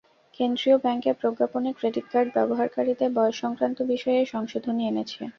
কেন্দ্রীয় ব্যাংক এক প্রজ্ঞাপনে ক্রেডিট কার্ড ব্যবহারকারীদের বয়সসংক্রান্ত বিষয়ে এ সংশোধনী এনেছে।